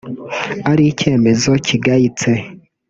ari icyemezo kigayitse